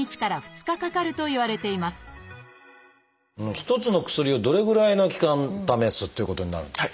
１つの薬をどれぐらいの期間試すということになるんでしょう？